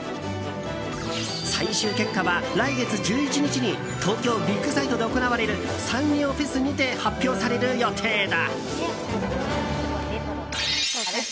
最終結果は来月１１日に東京ビッグサイトで行われるサンリオフェスにて発表される予定だ。